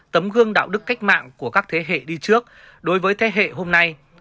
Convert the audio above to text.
tấm gương đạo đức cách mạng của các thế hệ đi trước đối với thế hệ hôm nay